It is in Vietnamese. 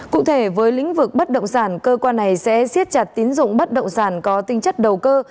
cụ thể với lĩnh vực bất động sản cơ quan này sẽ siết chặt tín dụng bất động sản có tinh chất đầu cơ